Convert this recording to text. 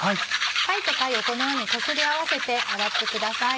貝と貝をこのようにこすり合わせて洗ってください。